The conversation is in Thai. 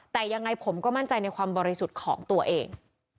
แต่ยังไงผมก็มั่นใจในความบริสุทธิ์ของตัวเอง